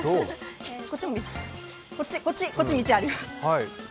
こっち、道あります。